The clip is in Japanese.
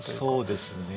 そうですね。